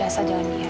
asal jangan lihat